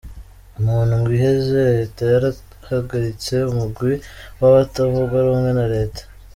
Mu ndwi iheze, reta yarahagaritse umugwi w'abatavuga rumwe na reta.